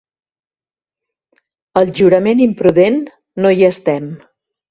Al jurament imprudent, no hi estem.